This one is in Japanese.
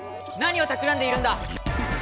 何をたくらんでいるんだ